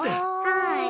はい。